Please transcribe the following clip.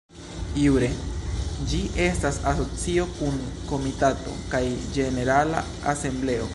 Jure ĝi estas asocio kun Komitato kaj Ĝenerala Asembleo.